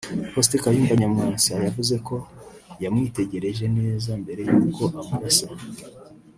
Faustin Kayumba Nyamwasa yavuze ko yamwitegereje neza mbere y’uko amurasa